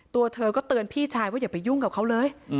ตัวเธอก็เตือนพี่ชายว่าอย่าไปยุ่งกับเขาเลย